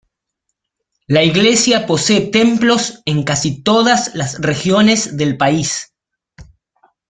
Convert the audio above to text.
La iglesia posee templos en casi todas las regiones del país.